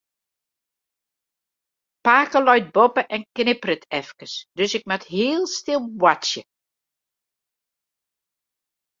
Pake leit boppe en knipperet efkes, dus ik moat hiel stil boartsje.